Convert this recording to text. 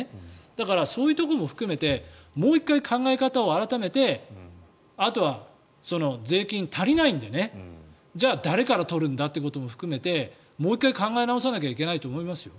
だからそういうところも含めてもう１回考え方を改めてあとは税金が足りないのでねじゃあ誰から取るんだということも含めてもう１回考え直さないといけないと思いますよ。